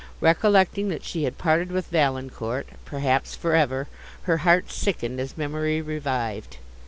Recollecting that she had parted with Valancourt, perhaps for ever, her heart sickened as memory revived.